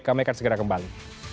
kami akan segera kembali